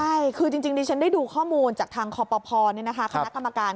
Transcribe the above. ใช่คือจริงดิฉันได้ดูข้อมูลจากทางคอปภคณะกรรมการ